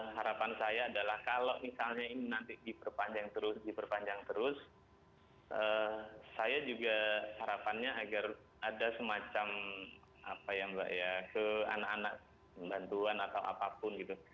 harapan saya adalah kalau misalnya ini nanti diperpanjang terus diperpanjang terus saya juga harapannya agar ada semacam apa ya mbak ya ke anak anak bantuan atau apapun gitu